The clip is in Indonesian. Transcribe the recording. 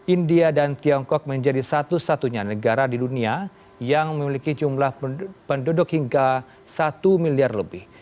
india dan tiongkok menjadi satu satunya negara di dunia yang memiliki jumlah penduduk hingga satu miliar lebih